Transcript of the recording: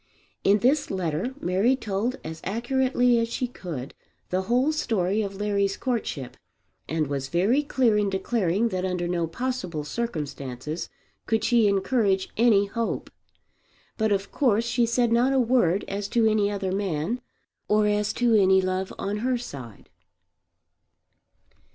In this letter Mary told as accurately as she could the whole story of Larry's courtship, and was very clear in declaring that under no possible circumstances could she encourage any hope. But of course she said not a word as to any other man or as to any love on her side.